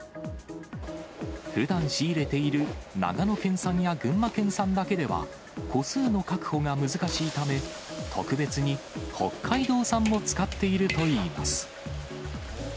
ふだん仕入れている長野県産や群馬県産だけでは、個数の確保が難しいため、特別に北海道産も使っているといいます。